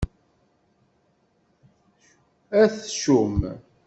Atcum!